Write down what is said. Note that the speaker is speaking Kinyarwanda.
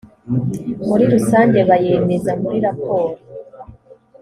murirusange bayemeza muriyo raporo.